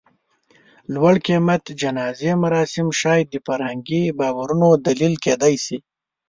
د لوړ قېمت جنازې مراسم شاید د فرهنګي باورونو دلیل کېدی شي.